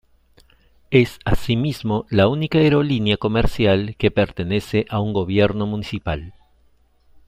Es así mismo la única aerolínea comercial que pertenece a un gobierno municipal.